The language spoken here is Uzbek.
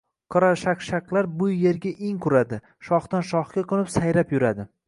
Qorashaqshaqlar shu yerlarga in quradi, shoxdan shoxga qoʻnib sayrab yuradi.